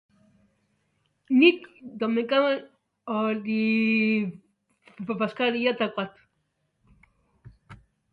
Kaukaso mendilerroa eta inguruko lurraldeak hartzen ditu.